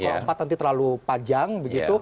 kalau empat nanti terlalu panjang begitu